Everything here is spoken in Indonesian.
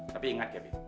tapi ingat kevin